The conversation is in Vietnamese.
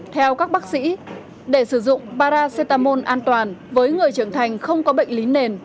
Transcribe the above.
theo các bác sĩ để sử dụng paracetamol an toàn với người trưởng thành không có bệnh lý nền